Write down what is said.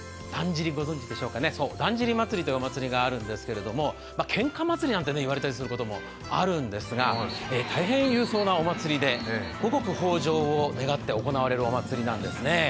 だんじり祭というお祭りがあるんですが、けんか祭りなんて言われることもあるんですが大変、勇壮なお祭りで五穀豊穣を願って行われるお祭りなんですね。